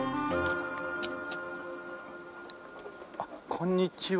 あっこんにちは。